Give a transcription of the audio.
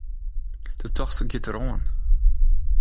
De tocht giet deroan.